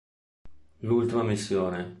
L'ultima missione